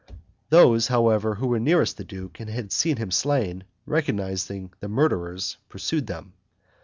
Those, however, who were nearest the duke and had seen him slain, recognizing the murderers, pursued them.